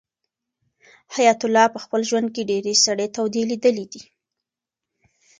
حیات الله په خپل ژوند کې ډېرې سړې تودې لیدلې دي.